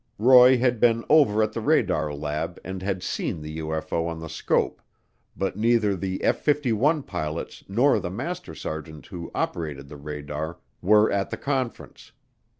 Roy had been over at the radar lab and had seen the UFO on the scope but neither the F 51 pilots nor the master sergeant who operated the radar were at the conference.